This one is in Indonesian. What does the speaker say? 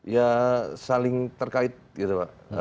ya saling terkait gitu pak